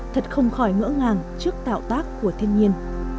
thật không khỏi ngỡ ngàng trước tạo tác của thiên nhiên